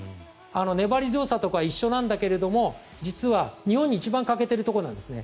粘り強さとか一緒なんだけれども実は日本に一番欠けているところなんですね。